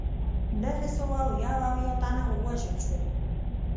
نهه سوه یو اویا تنه ووژل شول.